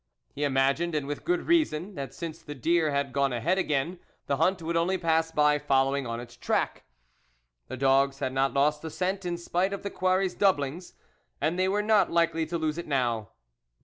He imagined, and with good reason, that since the deer had gone ahead again, the hunt would only pass by following on its track. The dogs had not lost the scent, in spite of the quarry's doublings, and they were not likely to lose it now.